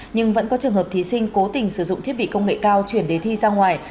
nhưng vẫn có trường hợp thí sinh cố tình sử dụng thiết bị công nghệ cao chuyển đề thi ra ngoài